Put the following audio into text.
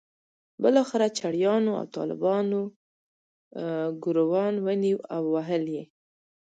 بالاخره چړیانو او طالبانو ګوروان ونیو او وهل یې.